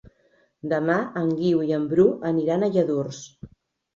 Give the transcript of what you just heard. Demà en Guiu i en Bru aniran a Lladurs.